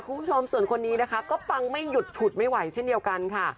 คุณผู้ชมส่วนคนนี้นะคะก็ปังไม่หยุดฉุดไม่ไหวเช่นเดียวกันค่ะ